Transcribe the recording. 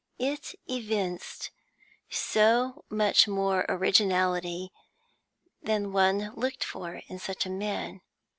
It evinced so much more originality than one looked for in such a man.